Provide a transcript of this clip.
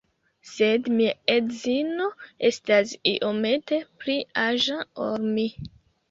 Sed mia edzino estas iomete pli aĝa ol mi